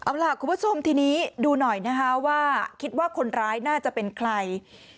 เอาล่ะคุณผู้ชมทีนี้ดูหน่อยนะคะว่าคิดว่าคนร้ายน่าจะเป็นใคร